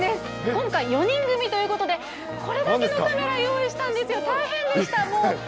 今回、４人組ということで、これだけのカメラ、用意したんですよ。